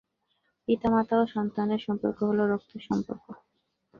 পিতা মাতা ও সন্তানের সম্পর্ক হলো রক্তের সম্পর্ক।